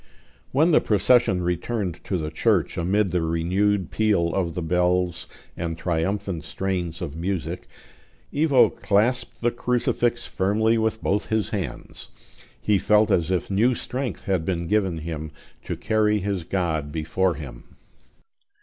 When the procession returned to the church amid the renewed peal of the bells and triumphant strains of music, Ivo clasped the crucifix firmly with both his hands; he felt as if new strength had been given him to carry his God before him.